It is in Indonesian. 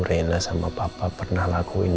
rena sama papa pernah lakuin